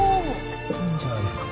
いいんじゃないですか？